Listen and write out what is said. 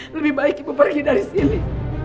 lebih baik itu pergi dari sini